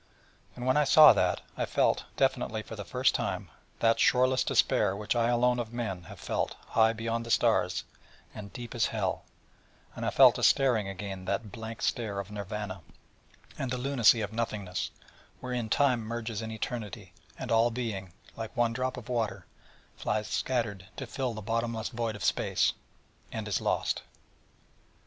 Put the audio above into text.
And when I saw that, I felt definitely, for the first time, that shoreless despair which I alone of men have felt, high beyond the stars, and deep as hell; and I fell to staring again that blank stare of Nirvana and the lunacy of Nothingness, wherein Time merges in Eternity, and all being, like one drop of water, flies scattered to fill the bottomless void of space, and is lost.